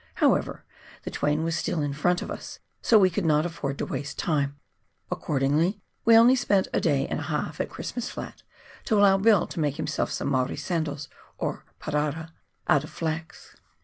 However, the Twain was still in front of us, so we could not afford to waste time ; accordingly we only spent a day and a half at Christmas Flat, to allow Bill to make himself some Maori sandals, or " parara " out of flax.